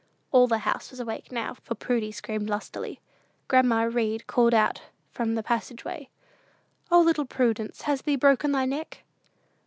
All the house was awake now, for Prudy screamed lustily. Grandma Read called out from the passage way, "O, little Prudence, has thee broken thy neck?"